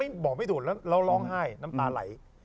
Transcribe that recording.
บอกไม่ถูกแล้วแล้วร้องไห้น้ำตาไหล